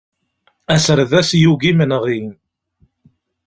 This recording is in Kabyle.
Aserdas yugi imenɣi!